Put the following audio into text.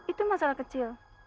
itu masalah kecil